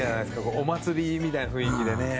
お祭りみたいな雰囲気でね。